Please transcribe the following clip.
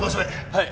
はい。